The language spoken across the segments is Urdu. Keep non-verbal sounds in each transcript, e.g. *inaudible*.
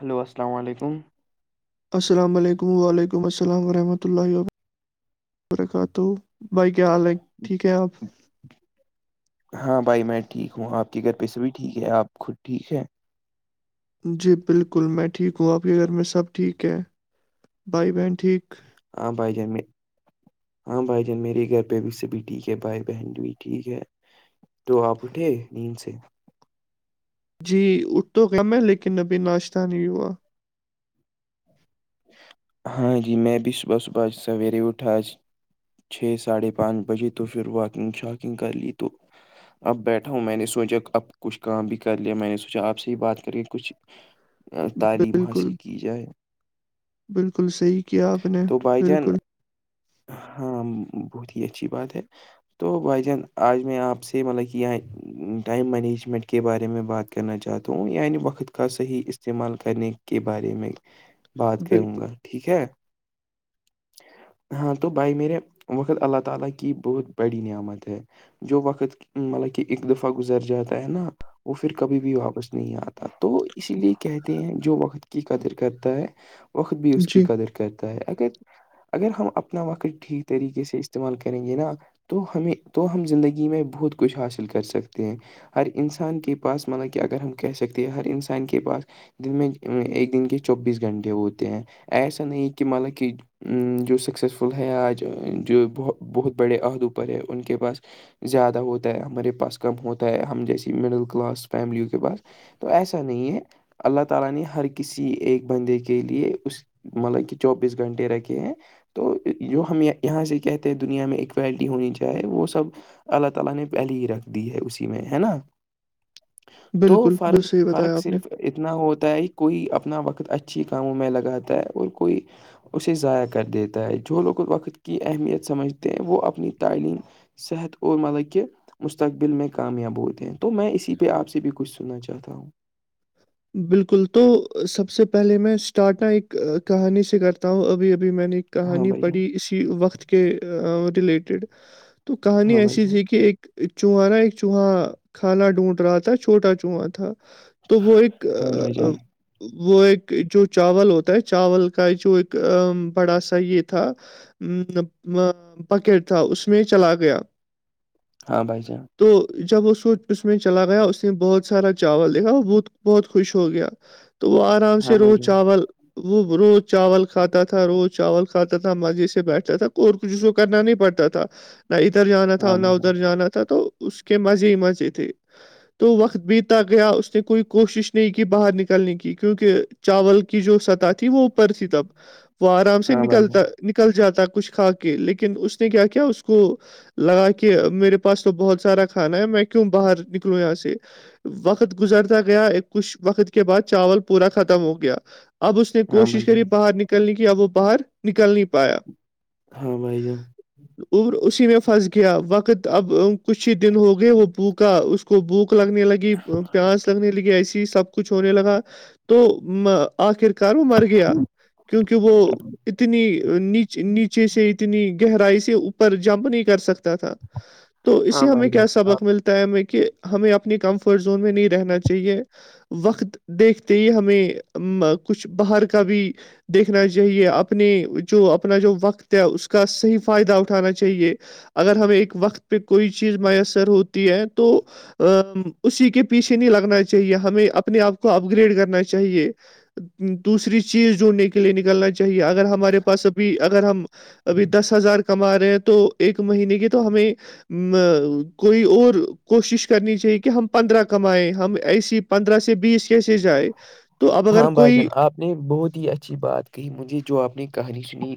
ہلو السلام علیکم السلام علیکم و علیکم السلام ورحمۃ اللہ وبرکہ وبرکات ہو بھائی کیا حال ہے ٹھیک ہے آپ ہاں بھائی میں ٹھیک ہوں آپ کے گھر پہ سے بھی ٹھیک ہے آپ خود ٹھیک ہے جی بالکل میں ٹھیک ہوں آپ کے گھر میں سب ٹھیک ہے بھائی بہن ٹھیک ہاں بائی جےی ہاں بھائی جان میرے گھر پہ بھی سب بھی ٹھیک ہے بھائی بہن بھی ٹھیک ہے تو آپ اٹھے نیند سے جی اھ تو کم ہے لیکن ابھی ناشتہ نہیں ہوا ہاں جی میں بھی صبح صبح سویرے اٹھاج چھ ساڑھے پانچ بجے تو پھر واکنگ شاکنگ کر لی تو اب بیٹھا ہوں میں نے سوچا اب کچھ کام بھی کر لیا میں نے سوچا آپ سے ہی بات کری کچھ تعلیم بالکل حاصل کی جائے بالکل صحیح کیا آپ نے تو بھائی جان بالکل ہاں بہت ہی اچھی بات ہے تو بھائی جان آج میں آپ سے مطلب کہ یہاں ٹائم مینجمنٹ کے بارے میں بات کرنا چاہتا ہوں یعنی وقت کا صحیح استعمال کرنے کے بارے میں بات کروں بالکل گا ٹھیک ہے ہاں تو بھائی میرے وقت اللہ تعالی کی بہت بڑی نعمت ہے جو وقت مطلب کہ ایک دفعہ گزر جاتا ہے نا وہ پھر کبھی بھی واپس نہیں آتا تو اسی لیے کہتے ہیں جو وقت کی قدر کرتا ہے وقت بھی اس کی جی قدر کرتا ہے اگر اگر ہم اپنا وقت ٹھیک طریقے سے استعمال کریں گے نا تو ہمیں تو ہم زندگی میں بہت کچھ حاصل کر سکتے ہیں ہر انسان کے پاس مطلب کہ اگر ہم کہہ سکتے ہیں ہر انسان کے پاس دن میں ایک دن کے چوبیس گھنٹے ہوتے ہیں ایسا نہیں کہ مطلب کہ جو سکسیزفل ہیں آج جو بت بہت بڑے عہدوں پر ہے ان کے پاس زیادہ ہوتا ہے ہمارے پاس کم ہوتا ہے ہم جیسیے مڈل کلاس فیملیوں کے پاس تو ایسا نہیں ہے اللہ تعالی نے ہر کسی ایک بندے کے لیے اس مطلب کہ چوبیس گھنٹے رکھے ہیں تو جو ہم یہاں سے کہتے ہیں دنیا میں ایکولٹی ہونی چاہے وہ سب اللہ تعالی نے پہلے ہی رکھ دی ہے اسی میں ہے نا تو بالکل بالکل فرق صحیح فرق بتایا آپ نے صرف اتنا ہوتا ہے کوئی اپنا وقت بہت اچھی کاموں میں لگاتا ہے اور کوئی اسے ضائع کر دیتا ہے جو لوگ وقت کی اہمیت سمجھتے ہیں وہ اپنی تعلیم صحت اور مطلب کہ مستقبل میں کامیاب ہوتے ہیں تو میں اسی پہ آپ سے بھی کچھ سننا چاہتا ہوں بالکل تو سب سے پہلے میں اسٹارٹا ایک کہانی سے کرتا ہوں ابھی ابھی میں نے ہاں کہانی بھائی جان پڑھی اسی وقت کے ریلیٹڈ تو کہانی ہاں بھائی ایسی جان تھی کہ ایک چوہا نا ایک چوہا کھانا ڈھونڈ رہا تھا چھوٹا چوہا تھا تو وہ ایک ہاں آ بھائی آ جان وہ ایک جو چاول ہوتا ہے چاول کا جو ایک بڑا سا یہ تھا ا پاکیٹ تھا اس میں چلا گیا ہاں بھائی جے ہاں تو جب وہو اس میں چلا گیا اس نے بہت سارا چاول دیکھا وہ بہت بہت خوش ہو گیا تو وہ آرام ہاں سے بھائی روز جان چاول وہ روز چاول کھاتا تھا روز چاول کھاتا تھا مزے سے بیٹھتا تھا ک کچھ اس کو کرنا نہیں پڑتا تھا نہ ادھر جانا ہاں تھا نہ بھائی جان ادھر جانا تھا تو اس کے مزے ہی مزے تھے تو وقت بیتا گیا اس نے کوئی کوشش نہیں کی باہر نکلنے کی کیونکہ چاول کی جو سطح تھی وہ اوپر تھی تب وہ آرام سے ہاں بھائی نکلتا جان نکل جاتا کچھ کھا کے لیکن اس نے کیا کیا اس کو لگا کہ میرے پاس تو بہت سارا کھانا ہے میں کیوں باہر نکلوں یہاں سے وقت گزر گیا ایک کچھ وقت کے بعد چاول پورا ختم ہو گیا اب اس نے ہاں کوشش بھائی جان کری باہر نکل نہیں کیا وہ باہر نکل نہیں پایا ہاں بھائی جان اسی میں پھنس گیا وقت اب کچھ ہی دن ہو گئے وہ پھکا اس کو بھوک لگنے لگی پیاس گسی سب کچھ ہونے لگا تو آخر کار وہ مر گیا کیونکہ وہ اتنی ن نیچے سے اتنی گہرائی سے اوپر جمپ نہیں کر سکتا تھا تو اس ہاں سے ہمیں بھائی جان کیا آپ سبق ملتا ہمیں کہ ہمیں اپنی کمفرٹ زون میں نہیں رہنا چاہیے وقت دیکھتے ہی ہمیں کچھ باہر کا بھی دیکھنا چاہیے اپنی جو اپنا جو وقت ہے اس کا صحیح فائدہ اٹھانا چاہیے اگر ہمیں ایک وقت پہ کوئی چیز میسر ہوتی ہے تو ا اسی کے پیچھے نہیں لگنا چاہیے ہمیں اپنے آپ کو اپ گریڈ کرنا چاہیے دوسری چیز جوونڑنے کے لیے نکلنا چاہیے اگر ہمارے پاس ابھی اگر ہم ابھی دس ہزار کما رہے ہیں تو ایک مہینے کی تو ہمیں ا کوئی اور کوشش کرنی چاہیے کہ ہم پندرہ کمائیں ہم ایسی پندرہ سے بیس کیسے جائے تو اب اگر ہاں بھائی کوئی جان آپ نے بہت ہی اچھی بات کہی مجھے جو آپ نے کہانی سنی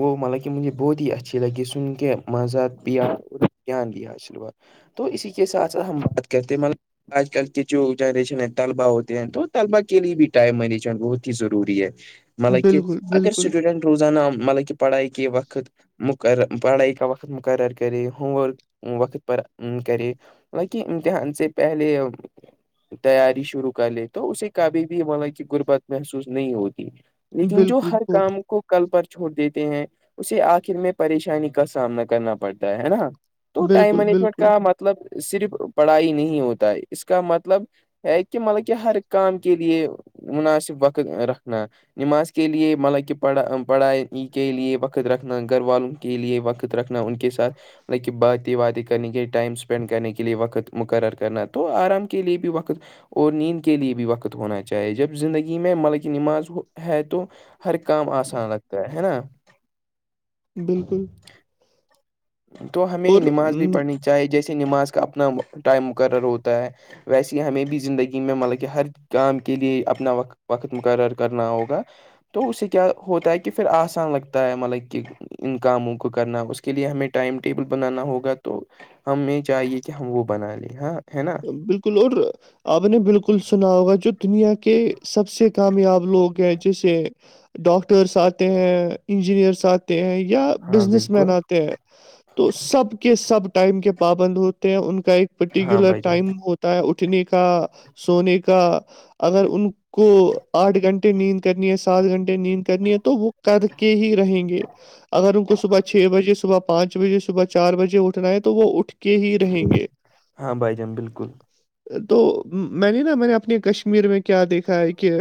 وہ ملب کہ مجھے بہت ہی اچھی لگی سن کے مذات بھییا گان دیا آشرواد تو اسی کے ساتھ ساتھ ہم بات کرتے ہیں ملب آج کل کی جو جنریشن ہے طلبہ ہوتے ہیں تو طلبہ کے لیے بھی ٹائم مینجمنٹ بہت ہی ضروری ہے مطلب کہ بالکل اگر بالکل اسٹوڈنٹ روزان ن مطلب کہ پڑھائی کے وقت مقرر پڑھائی کا وقت مقرر کرے ہووم ورک وقت پر کرے بک امتحان سے پہلے تیاری شروع کر لے تو اسے کبھی بھی مل کی غربت محسوس نہیں ہوتی لیکن جو بالکل ہر ب- کام کو کل پر چھوڑ دیتے ہیں اسے آخر میں پریشانی کا سامنا کرنا پڑتا ہے ہے نا تو ٹائم بالکل مینجمنٹ بالکل کا م مطلب صرف پڑھائی نہیں ہوتا ہے اس کا مطلب ہے کہ مطلب کہ ہر کام کے لیے مناسب وقت رکھنا نماز کے لئے مالک پڑھا پڑھائی کے لئے وقت رکھنا گھر والوں کے لیے وقت رکھنا ان کے ساتھ لط کہ باتیں باتیں کرنے کےئے ٹائم اسپینڈ کرنے کے لئے وقت مقرر کرنا تو آرام کے لئے بھی وقت اور نیند کے لیے بھی وقت ہونا چاہیے جب زندگی میں ملکی نماز ہے تو ہر کام آسان لگتا ہے ہے نا بالکل تو ہمیں اور نماز بھی ام، پڑھنی چاہیے جیسے نماز کا اپنا ٹائم مقرر ہوتا ہے ویسے ہی ہمیں بھی زندگی میں مطلب کہ ہر کام کے لئے اپنا وقت وقت مقرر کرنا ہوگا تو اس سے کیا ہوتا ہے کہ پھر آسان لگتا ہے مطلب کہ ان کاموں کو کرنا اس کے لیے ہمیں ٹائم ٹیبل بنانا ہوگا تو ہمیں چاہیے کہ ہم وہ بنا لیں ہاں ہے نا بالکل اور آپ نے بالکل سنا ہوگا جو دنیا کے سب سے کامیاب لوگ ہیں جیسے ڈاکٹرس آتے ہیں انجینئرس آتے ہیں یا ہاں بزنس مین بالکل آتے ہیں تو سب کے سب ٹائم کے پابند ہوتے ہیں ان کا ایک ہاں پرٹیکولر بھائی جان ٹائم ہوتا ہے اٹھنے کا سونے کا اگر ان کو آٹھ گھنٹے نیند کرنی ہے سات گھنٹے نیند کرنی ہے تو وہ کر کے ہی رہیں گے اگر ان کو صبح چھ بجے صبح پانچ بجے صبح چار بجے اٹھنا ہے تو وہ اٹھ کے ہی رہیں گے ہاں بھائی جان بالکل تو میں نے نا میں نے اپنے کشمیر میں کیا دیکھا ہے کہ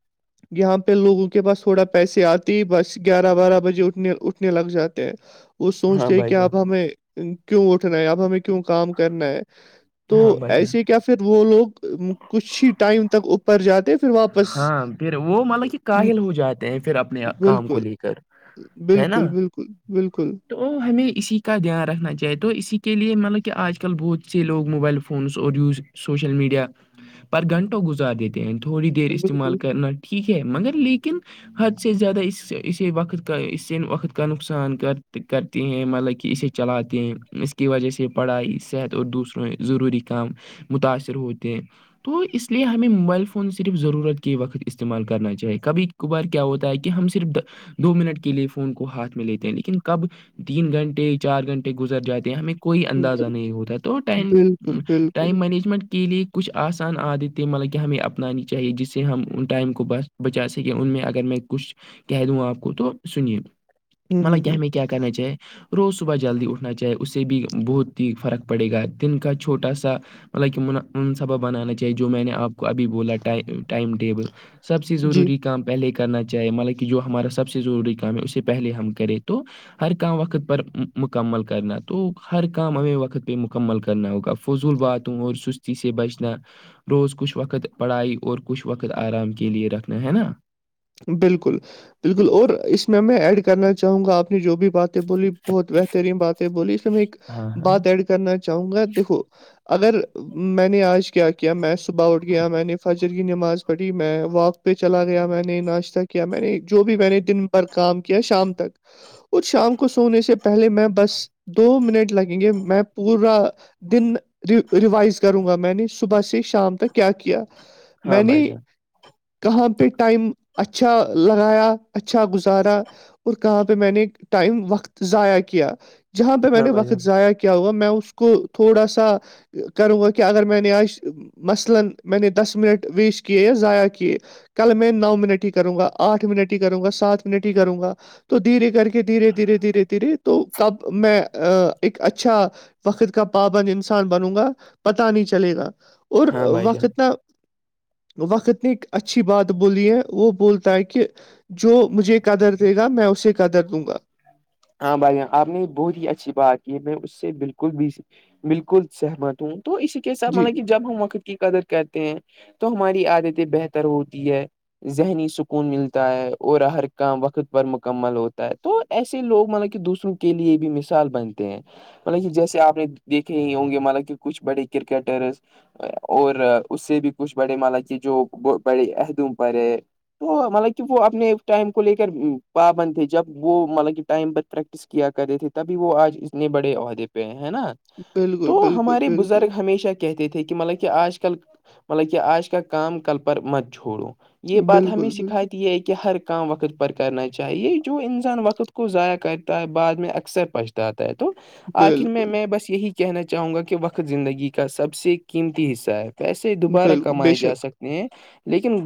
*inaudible* یہاں پہ لوگوں کے پاس تھوڑا پیسے آتی بس گیارہ بارہ بجے اٹھنے اٹھنے لگ جاتے ہیں وہ ہاں سوچتے ہے بھائی کہ جان اب ہمیں کیوں اٹھنا ہے اب ہمیں کیوں کام کرنا ہے تو ہاں بھائی جان ایسے کیا پھر وہ لوگ کچھ ہی ٹائم تک اوپر جاتے پھر واپس ہاں پھر وہ مطلب کہ ام، کااہل ہو جاتے ہیں پھر اپنے کام کو بالکل لے کر ہے نا بالکل بالکل بالکل تو ہمیں اسی کا دھیان رکھنا چاہیے تو اسی کے لیے مطلب کہ آج کل بہت سے لوگ موبائل فونس اور یوز سوشل میڈیا پر گھنٹو گزار دیتےینیں تھوڑی دیر استعمال بالکل کرنا ٹھیک ہے مگر لیکن حد سے زیادہ اس اس وقت کا اس وقت کا نقصان گھر کر ت ہیں مطلب کہ اسے چلاتے ہیں اس کی وجہ سے پڑھائی صحت اور دوسروں ضروری کام متاثر ہوتے ہیں تو اس لیے ہمیں موبائل فون فون صرف ضرورت کے وقت استعمال کرنا چاہیے کبھی کبھار کیا ہوتا ہے کہ ہم صرف دو منٹ کے لیے فون کو ہاتھ میں لیتے ہیں لیکن کب تین گھنٹے چار گھنٹے گزر جاتے ہیں ہمیں کوئی اندازہ نہیں ہوتا تو ٹائم بالکل بالکل ٹائم مینجمنٹ کے لیے کچھ آسان عادت ہے مطلب کہ ہمیں اپ انی چاہیے جس سے ہم ان ٹائم کو بچا سکیں ان میں اگر میں کچھ کہہ دوں آپ کو تو سنیے ہوں ہوں مطلب کیا ہوں میں کیا کرنا چاہیے روز صبح جلدی اٹھنا چاہے اس سے بھی بہت ہی فرق پڑے گا دن کا چھوٹا سا مطلب کہ منصبہ بنانا چاہیے جو میں نے آپ کو ابھی بولا ٹائم ٹیبل سب سے جی ضروری کام پہلے کرنا چاہیے مطلب کہ جو ہمارا سب سے ضروری کام ہے اسے پہلے ہم کریں تو ہر کام وقت پر مکمل کرنا تو ہر کام ہمیں وقت پہ مکمل کرنا ہوگا فضول باتوں اور سستی سے بچنا روز کچھ وقت پڑھائی اور کچھ وقت آرام کے لے رکھنا ہے نا بالکل بالکل اور اس میں میں ایڈ کرنا چاہوں گا آپ نے جو بھی باتیں بولی بہت بہترین باتیں بولی اس میں ایک ہاں ہاں بات ایڈ کرنا چاہوں گا دیکھو اگر میں نے آج کیا کیا میں صبح اٹھ گیا میں نے فج کی نماز پڑھی میں واک پہ چلا گیا میں نے ناشتہ کیا میں نے جو بھی میں نے دن پر کام کیا شام تک ک شام کو سونے سے پہلے میں بس دو منٹ لگیں گے میں پورا دن ریوائز کروں گا میں نے صبح سے شام تک کیا کیا ہاں میں نے بھائی جان کہاں پہ ٹائم اچھا لگایا اچھا گزارا اور کہاں پہ میں نے ٹائم وقت ضائع کیا جہاں پہ میں ہاں نے بھائی جان وقت ضائع کیا کیا ہوا میں اس کو تھوڑا سا کروں گا کہ اگر میں نے ج مثلا میں نے دس منٹ ویسٹ کیے یا ضائع کیے کل میں نو م ہی کروں گا آٹھ منٹ ہی کروں گا سات منٹ ہی کروں گا تو دھیرے کر کے دھیرے دھیرے دھیرے دھیرے تو کب میں ایک اچھا وقت کا پابند انسان بنوں گا پتا نہیں چلے گا اور ہاں بھائی جان وقت ن وقت نے ایک اچھی بات بولی ہے وہ بولتا ہے کہ جو مجھے قدر دے گا میں اسے قدر دوں گا ہاں بھائیاں آپ نے بہت ہی اچھی بات کی میں اس سے بالکل بھی بالکل سہمت ہوں تو اسے کیس جی مطلب کہ جب ہم وقت کی قدر کہتے ہیں تو ہماری عادتیں بہتر ہوتی ہے ذہنی سکون ملتا ہے اور ہر کام وقت پر مکمل ہوتا ہے تو ایسے لوگ مطلب کہ دوسروں کے لیے بھی مثال بنتے ہیں مطلب کہ جیسے آپ نے دیکھے ہی ہوں گے مطلب کہ کچھ بڑے کرکٹرس اور اس سے بھی کچھ بڑے مال کیے جو بڑے عدوم پر ہے تو مطلب کہ وہ اپنے ٹائم کو لے کر پا بندتےے جب وہ مطلب کہ ٹائم پر پریکٹس کیا کرتے تھے تبھی وہ آج اتنے بڑے عہدے پہ ہے نا بالکل تو بالکل ہمارے بزرگ بالکل ہمیشہ کیا کہتے تھے کہ مطلب کہ آج کل مطلب کہ آج کا کام کل پر مت چھوڑو یہ بات ہمیں بالکل بالکل سکھاتتی یہ ہے کہ ہر کام وقت پر کرنا چاہیے جو انسان وقت کو ضائع کرتا ہے بعد میں اکثر پچتااتتا ہے تو آخر میں بالکل میں بس یہی کہنا چاہوں گا کہ وقت زندگی کا سب سے قیمتی حصہ ہے پیسے دوبارہ بالکل بے کمائے جا شک سکتے ہیں لیکن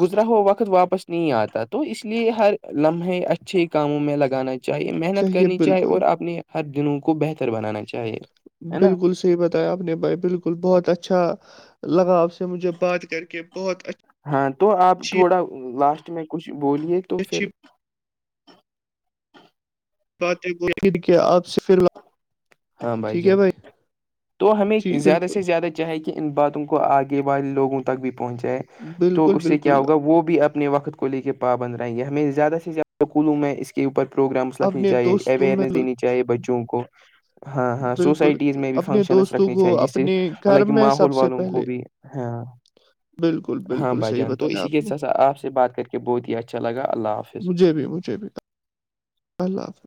گزرا ہو وقت واپس نہیں آتا تو اس لیے ہر لمحے اچھے کاموں میں لگانا چاہیے محنت چاہیے کرنی چاہے بالکل اور اپنے ہر دنوں کو بہتر بنانا چاہیے ہے نا بالکل صحیح بتایا آپ نے بھائی بالکل بہت اچھا لگا آپ سے مجھے بات کر کے بہت اچھا ہاں تو آپ تھوڑا لاسٹ میں کچھ بولیے تو پھر اچھی بات ہے وہ کیا آپ سے فی ال ہاں بھائی جان تو ہمیں جی زیادہ بالکل سے زیادہ ہے کہ ان باتوں کو آگے والے لوگوں تک بھی پہنچ جائے تو بالکل اس سے کیا بالکل ہوگا وہ بھی اب اپنے وقت کو لے کے پاابند رہائیا ہمیں زیادہ سے زیادہکولوں میں اس کے اوپر پروگرامس رکھنی اپنے چاہیے دوستوں میں اوئرنیس دینی چاہیے بچوں کو ہاں ہاں بالکل سوسائٹیز بالکل میں بھی اپنے فنکشنس دوستوں رکھنی کو چاہیے جس سے اپنے گھر مطلب کہ میں ماحول سب سے والوں کو پہلے بھی ہاں بالکل ہاں بالکل بھائی صحیح جان تو بتایا اسی کے آپ نے سا آپ سے بات کرک بہت ہی اچھا لگا اللہ حافظ مجھے بھی مجھے بھی اللہ حافظ